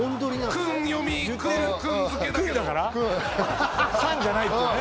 クン「さん」じゃないっていうね